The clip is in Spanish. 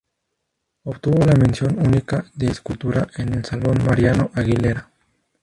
Obtuvo la Mención Única de Escultura en el Salón Mariano Aguilera.